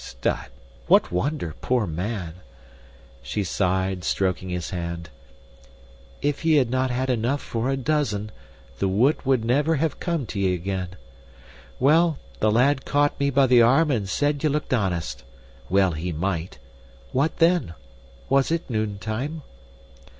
"S stut! What wonder, poor man." She sighed, stroking his hand. "If ye had not had enough for a dozen, the wit would never have come to ye again. Well, the lad caught me by the arm and said ye looked honest. (Well he might!) What then? Was it noontime?